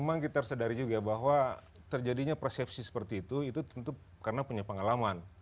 memang kita harus sadari juga bahwa terjadinya persepsi seperti itu itu tentu karena punya pengalaman